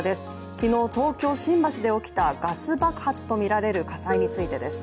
昨日、東京・新橋で起きたガス爆発とみられる火災についてです。